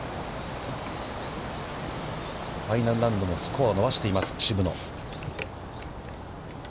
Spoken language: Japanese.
ファイナルラウンドもスコアを伸ばしています、渋野。